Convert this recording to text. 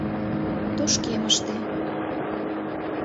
Тошкемыште.